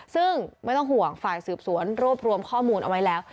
ซึ่งไม่ต้องห่วงฝ่ายสืบสวนรวบรวมข้อมูลเอาไว้แล้ว